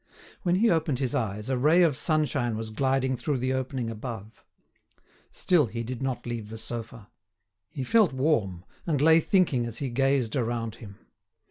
When he opened his eyes, a ray of sunshine was gliding through the opening above. Still he did not leave the sofa. He felt warm, and lay thinking as he gazed around him.